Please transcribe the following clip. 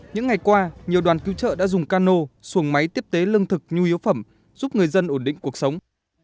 những ngày qua nhiều đoàn cứu trợ đã dùng cano xuồng máy tiếp tế lương thực nhu yếu phẩm giúp người dân ổn định cuộc sống